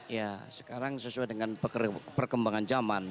ya sekarang sesuai dengan perkembangan zaman